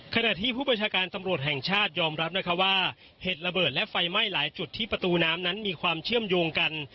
ขณะที่ผู้ประชาการตำรวจแห่งชาติยอมรับนะคะว่าเหตุระเบิดและไฟไหม้หลายจุดที่ประตูน้ำนั้นมีความเชื่อมโยงกัน